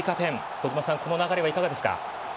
小島さん、この流れはどうですか。